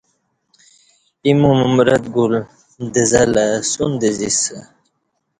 ایمو ممرتہ گلہ د زہ لہ سن د زیسہ